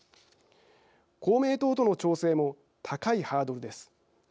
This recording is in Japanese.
公明党との調整も高いハードルです。